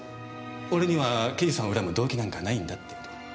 俺には刑事さんを恨む動機なんかないんだって事を。